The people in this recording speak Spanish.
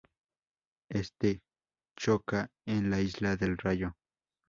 Este choca en la Isla del Rayo.